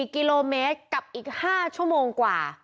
๔กิโลเมตรกับอีก๕ชั่วโมงกว่า